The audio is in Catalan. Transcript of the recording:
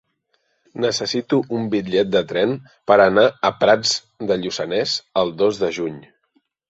Necessito un bitllet de tren per anar a Prats de Lluçanès el dos de juny.